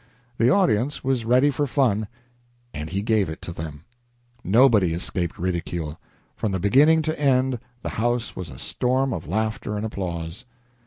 The audience was ready for fun, and he gave it to them. Nobody escaped ridicule; from beginning to end the house was a storm of laughter and applause.